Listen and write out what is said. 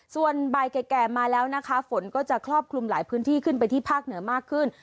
ส่วนบ่ายแก่มาแล้วนะคะฝนก็จะครอบคลุมหลายพื้นที่ขึ้นไปที่ภาคเหนือมากขึ้น